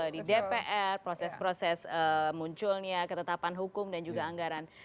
di dpr proses proses munculnya ketetapan hukum dan juga anggaran